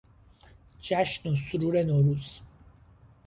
جشن و سرور نوروز